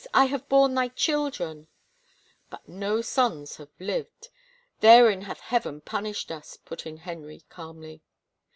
I have borne thy children —"" But no sons have lived. Therein hath Heaven pun ished us/* put in Henry calmly.